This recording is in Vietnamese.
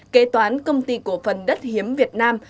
kế toán công ty cổ phần đất hiếm việt nam